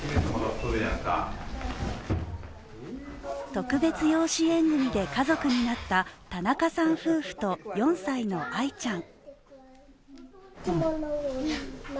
特別養子縁組で家族になった田中さん夫婦と、４歳のあいちゃん。